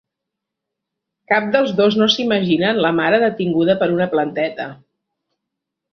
Cap dels dos no s'imaginen la mare detinguda per una planteta.